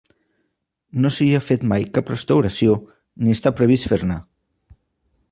No s'hi ha fet mai cap restauració ni està previst fer-ne.